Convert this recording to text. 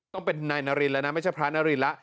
ต้องเป็นนายนารินแล้วนะไม่ใช่พระนารินแล้ว